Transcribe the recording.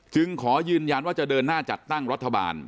ขอยืนยันว่าจะเดินหน้าจัดตั้งรัฐบาล